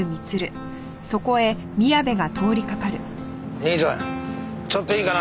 兄ちゃんちょっといいかな？